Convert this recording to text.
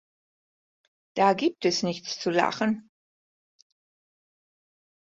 Da gibt es nichts zu lachen!